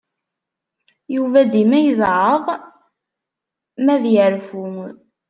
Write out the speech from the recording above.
Yuba dima izeɛɛeḍ mi ad yerfu.